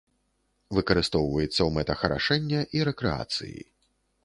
Выкарыстоўваецца ў мэтах арашэння і рэкрэацыі.